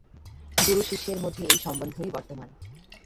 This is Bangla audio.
গুরু-শিষ্যের মধ্যে এই সম্বন্ধই বর্তমান।